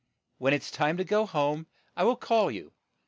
When it is time to go home, I will call you."